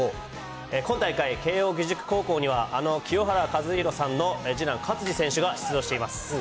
今大会、慶応義塾高校にはあの清原和博さんの次男、勝児選手が出場しています。